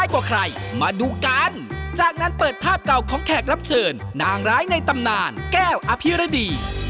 โปรดติดตามตอนต่อไป